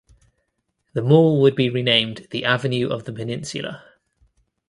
The mall would be renamed The Avenue of the Peninsula.